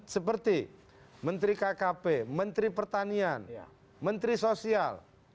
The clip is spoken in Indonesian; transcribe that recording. seperti menteri kkp menteri pertanian menteri sosial